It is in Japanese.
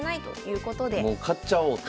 買っちゃおうと。